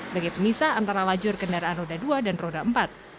bagi pemisah antara lajur kendaraan roda dua dan roda empat